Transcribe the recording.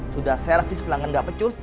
sudah servis pelanggan nggak pecus